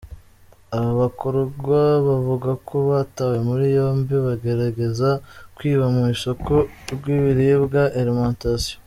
Aba bakorwa bavuga ko batawe muri yombi bagerageza kwiba mu isoko rw’ ibiribwa ‘alimentation’.